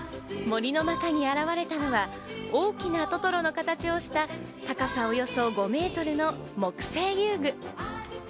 森の中に現れたのは大きなトトロの形をした高さおよそ５メートルの木製遊具。